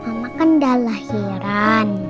mama kan udah lahiran